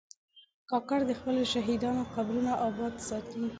کاکړ د خپلو شهیدانو قبرونه آباد ساتي.